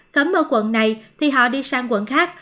cấm ở quận này thì họ đi sang quận khác